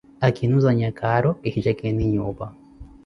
Akinuuzanya kaaro kihi jekeeni nyuupa.